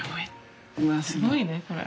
うわすごいねこれ。